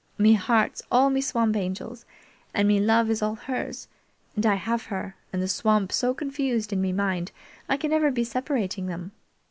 "Me heart's all me Swamp Angel's, and me love is all hers, and I have her and the swamp so confused in me mind I never can be separating them.